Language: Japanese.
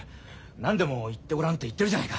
何でも言ってごらんって言ってるじゃないか。